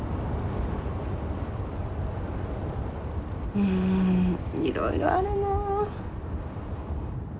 うんいろいろあるな。